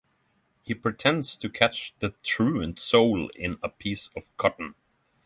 He pretends to catch the truant soul in a piece of cotton.